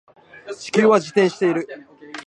地球は自転している